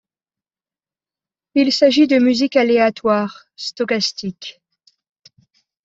Il s'agit de musique aléatoire, stochastique.